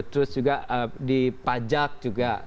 terus juga di pajak juga